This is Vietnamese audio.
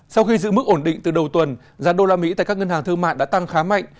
sau khi giữ mức ổn định từ đầu tuần giá đô la mỹ tại các ngân hàng thương mại đã tăng khá mạnh